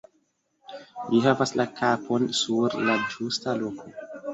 Li havas la kapon sur la ĝusta loko.